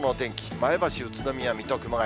前橋、宇都宮、水戸、熊谷。